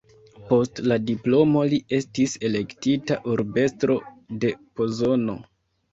Post la diplomo li estis elektita urbestro de Pozono.